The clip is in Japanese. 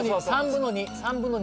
３分の２。